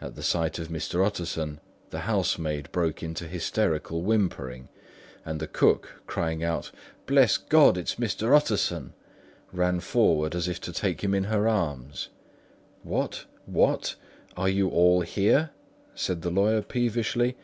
At the sight of Mr. Utterson, the housemaid broke into hysterical whimpering; and the cook, crying out "Bless God! it's Mr. Utterson," ran forward as if to take him in her arms. "What, what? Are you all here?" said the lawyer peevishly.